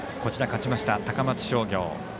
勝ちました、高松商業。